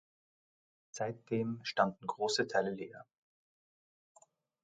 Seitdem standen große Teile leer.